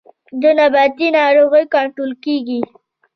د نباتي ناروغیو کنټرول کیږي